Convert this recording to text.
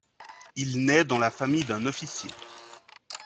Il naît dans la famille d'un officier.